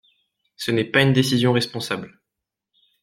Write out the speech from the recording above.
Ce n’est pas une décision responsable.